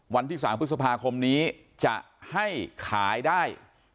วันที่๓พฤษภาคมนี้จะให้ขายได้